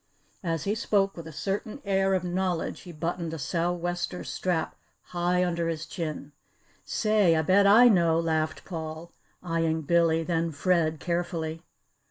As he spoke with a certain air of knowledge he buttoned a sou'wester strap high under his chin. "Say I bet I know!" laughed Paul, eyeing Billy, then Fred carefully.